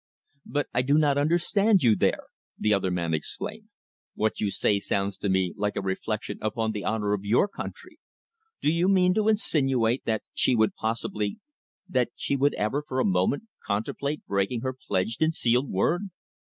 "But I do not understand you there!" the other man exclaimed. "What you say sounds to me like a reflection upon the honour of your country. Do you mean to insinuate that she would possibly that she would ever for a moment contemplate breaking her pledged and sealed word?"